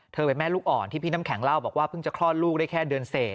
แม่ลูกอ่อนที่พี่น้ำแข็งเล่าบอกว่าเพิ่งจะคลอดลูกได้แค่เดือนเศษ